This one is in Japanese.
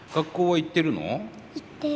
行ってる。